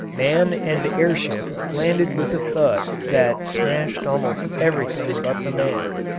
Man and air ship landed with a thud that smashed almost everything but the man.